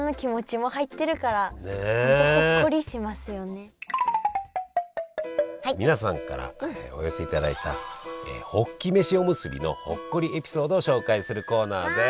そして皆さんからお寄せいただいたホッキ飯おむすびのほっこりエピソードを紹介するコーナーです。